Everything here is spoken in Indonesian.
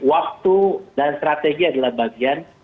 waktu dan strategi adalah bagian